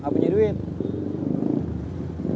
gak ada yang ngerti